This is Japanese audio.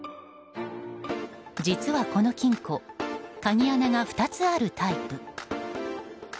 実はこの金庫鍵穴が２つあるタイプ。